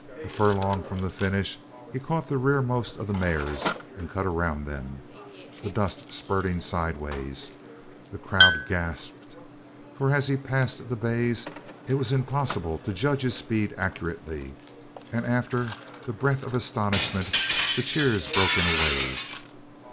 A furlong from the finish he caught the rearmost of the mares and cut around them, the dust spurting sidewise. The crowd gasped, for as he passed the bays it was impossible to judge his speed accurately; and after the breath of astonishment the cheers broke in a wave.